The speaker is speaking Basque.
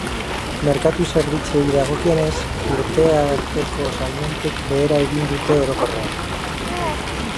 Merkatu zerbitzuei dagokionez, urte arteko salmentek behera egin dute orokorrean.